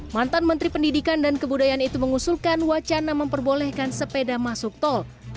mantan menteri pendidikan dan kebudayaan itu mengusulkan wacana memperbolehkan sepeda masuk tol